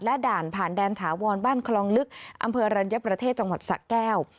ด่านผ่านแดนถาวรบ้านคลองลึกอำเภอรัญญประเทศจังหวัดสะแก้ว